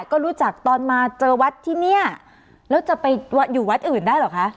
ก็รู้จักตอนมาเจอวัดที่เนี่ยแล้วจะไปอยู่วัดอื่นได้เหรอคะ